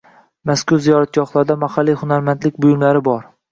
Mashhur ziyoratgohlarda mahalliy hunarmandlik buyumlari bor.